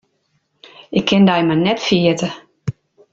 Ik kin dy mar net ferjitte.